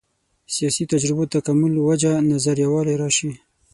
سیاسي تجربو تکامل وجه نظر یووالی راشي.